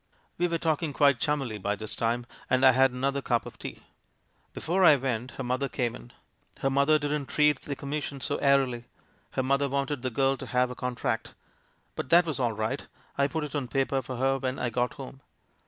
We were talking quite chummily by this time. And I had another cup of tea. "Before I went, her mother came in. Her mother didn't treat the commission so airily — her mother wanted the girl to have a contract. But that was all right ; I put it on paper for her when I got home.